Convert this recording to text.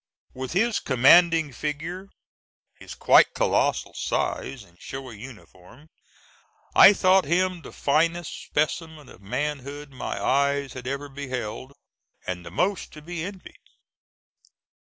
With his commanding figure, his quite colossal size and showy uniform, I thought him the finest specimen of manhood my eyes had ever beheld, and the most to be envied.